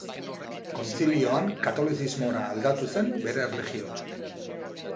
Kontzilioan katolizismora aldatu zen bere erlijioa.